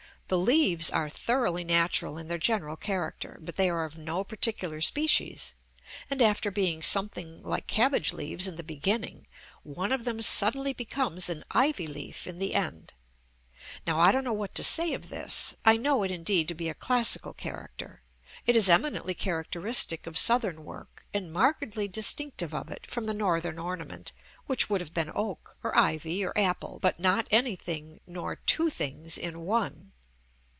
The leaves are thoroughly natural in their general character, but they are of no particular species: and after being something like cabbage leaves in the beginning, one of them suddenly becomes an ivy leaf in the end. Now I don't know what to say of this. I know it, indeed, to be a classical character; it is eminently characteristic of Southern work; and markedly distinctive of it from the Northern ornament, which would have been oak, or ivy, or apple, but not anything, nor two things in one.